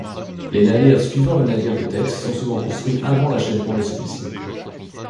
Les navires suivants le navire de tête sont souvent construits avant l'achèvement de celui-ci.